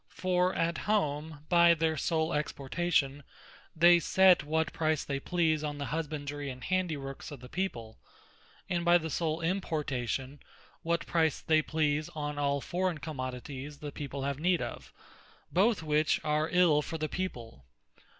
For at home by their sole exportation they set what price they please on the husbandry and handy works of the people; and by the sole importation, what price they please on all forraign commodities the people have need of; both which are ill for the people.